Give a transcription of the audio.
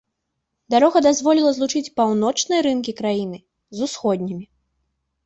Дарога дазволіла злучыць паўночныя рынкі краіны з усходнімі.